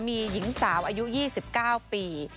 มีหญิงสาวอายุ๒๙ปี